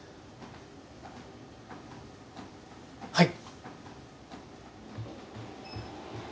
はい。